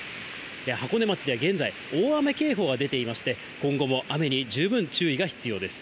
箱根町では現在、大雨警報が出ていまして、今後も雨に十分注意が必要です。